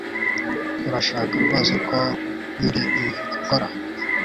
Urashaka rwose ko undi muntu abikora